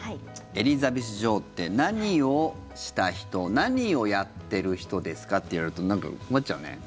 エリザベス女王って何をした人何をやってる人ですかと言われるとなんか困っちゃうね。